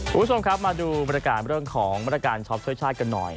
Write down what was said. ผู้ชมครับมาดูบริการของบริการช้อปช่วยช้าตกันหน่อย